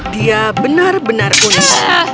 dia benar benar unik